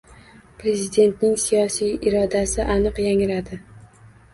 Prezidentning siyosiy irodasi aniq yangradi